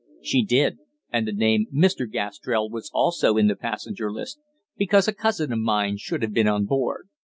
"She did, and the name 'Mr. Gastrell' was also in the passenger list, because a cousin of mine should have been on board.